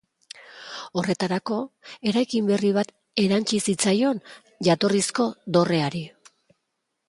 Horretarako, eraikin berri bat erantsi zitzaion jatorrizko dorreari.